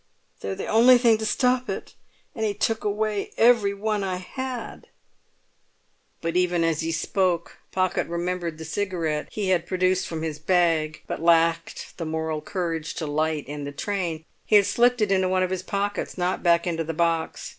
"They're the only thing to stop it, and he took away every one I had." But even as he spoke Pocket remembered the cigarette he had produced from his bag, but lacked the moral courage to light, in the train. He had slipped it into one of his pockets, not back into the box.